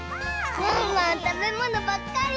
ワンワンたべものばっかり！